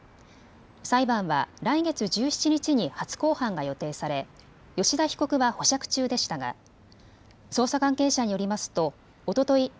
裁判は来月１７日に初公判が予定され吉田被告は保釈中でしたが捜査関係者によりますとおととい